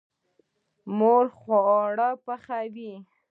مور خواړه پخوي.